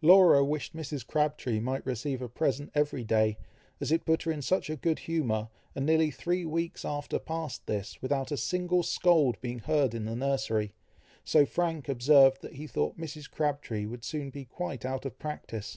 Laura wished Mrs. Crabtree might receive a present every day, as it put her in such good humour, and nearly three weeks after passed this, without a single scold being heard in the nursery; so Frank observed that he thought Mrs. Crabtree would soon be quite out of practice.